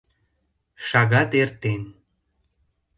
— Шагат эртен.